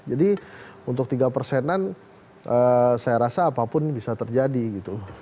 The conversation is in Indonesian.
jadi untuk tiga persenan saya rasa apapun bisa terjadi gitu